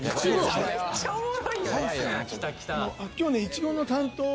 はい今日ねいちごの担当